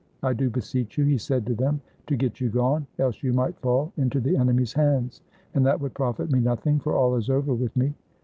" I do beseech you," he said to them, " to get you gone; else you might fall into the enemy's hands, and that would profit me nothing, for all is over with me.